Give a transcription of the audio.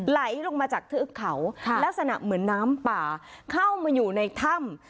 ไหลลงมาจากเทือกเขาลักษณะเหมือนน้ำป่าเข้ามาอยู่ในถ้ำ